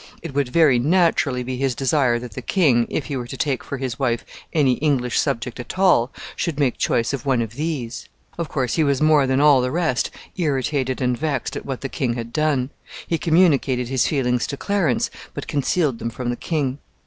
It would very naturally be his desire that the king, if he were to take for his wife any English subject at all, should make choice of one of these. Of course, he was more than all the rest irritated and vexed at what the king had done. He communicated his feelings to Clarence, but concealed them from the king.